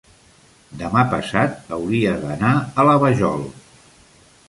demà passat hauria d'anar a la Vajol.